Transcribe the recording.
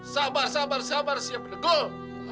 sabar sabar sabar siap bergol